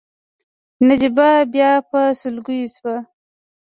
نجيبه بيا په سلګيو شوه.